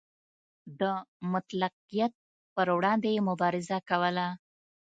د مطلقیت پر وړاندې یې مبارزه کوله.